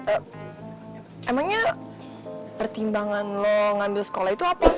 emangnya pertimbangan lo ngambil sekolah itu apa